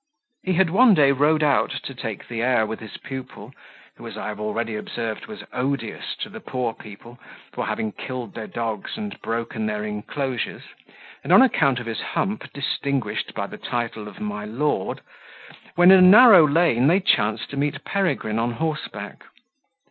He had one day rode out to take the air with his pupil, who, as I have already observed, was odious to the poor people, for having killed their dogs and broken their inclosures, and, on account of his hump, distinguished by the title of My Lord, when in a narrow lane they chanced to meet Peregrine on horseback.